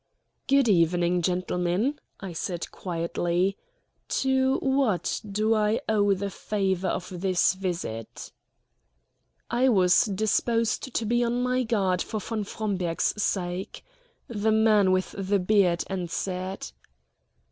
"Good evening, gentlemen," I said quietly. "To what do I owe the favor of this visit?" I was disposed to be on my guard for von Fromberg's sake. The man with the beard answered.